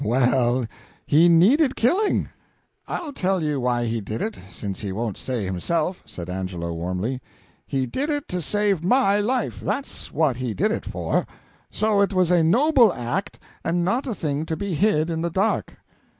"Well, he needed killing." "I'll tell you why he did it, since he won't say himself," said Angelo, warmly. "He did it to save my life, that's what he did it for. So it was a noble act, and not a thing to be hid in the dark."